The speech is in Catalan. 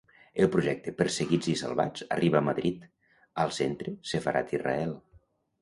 El projecte "Perseguits i Salvats" arriba a Madrid, al Centre Sefarad-Israel.